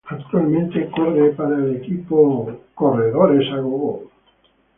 Actualmente corre para el equipo ProTeam Trek-Segafredo.